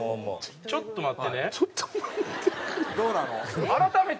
ちょっと待って。